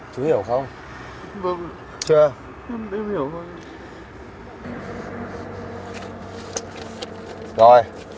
chú không có cơ hội để làm lại cuộc đời